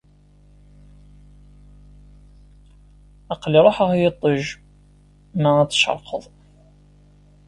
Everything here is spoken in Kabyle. Aql-i ruḥeɣ ay iṭij ma ad d-tcerqeḍ.